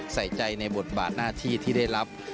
ใส่ใจในบทบาทหน้าที่ที่ได้รับ